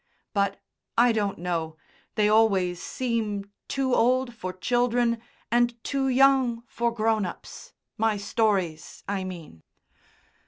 But I don't know, they always seem too old for children and too young for grown ups my stories, I mean."